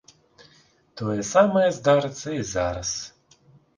Тое самае здарыцца і зараз.